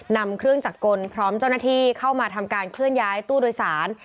นำเครื่องจักรกลพร้อมเจ้าหน้าที่เข้ามาทำการเคลื่อนย้ายตู้โดยสาร